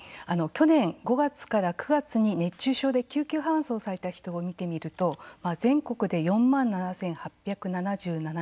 去年５月から９月に熱中症で救急搬送された人を見てみると全国で４万７８７７人です。